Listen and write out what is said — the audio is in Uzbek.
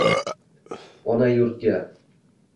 Ona yurtga